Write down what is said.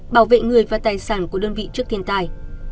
bảo vệ người và tài sản của đơn vị trước thiên tai